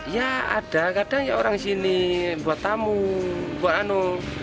ya ada kadang orang sini buat tamu